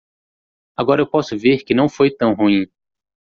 Agora eu posso ver que não foi tão ruim.